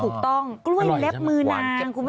ถูกต้องกุ้วยเล็บมืือนาง